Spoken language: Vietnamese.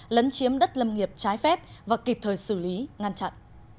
lấn chiếm đất lâm nghiệp trái phép và kịp thời xử lý ngăn chặn